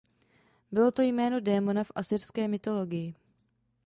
Bylo to jméno démona v asyrské mytologii.